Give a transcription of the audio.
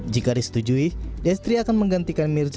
jika disetujui destri akan menggantikan mirza